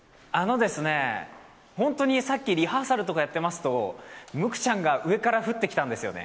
本当にさっきリハーサルとかやってますとむくちゃんが上から降ってきたんですよね。